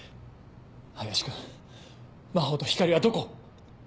林君真帆と光莉はどこ？